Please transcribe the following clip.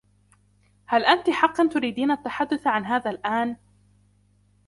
هل أنتِ حقاً تريدين التحدث عن هذا الأن ؟